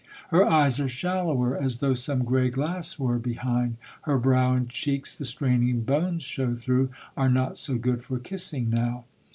Her eyes are shallower, as though Some grey glass were behind; her brow And cheeks the straining bones show through, Are not so good for kissing now.